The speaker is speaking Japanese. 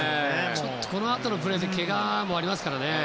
このあとのプレーでけがもありますからね。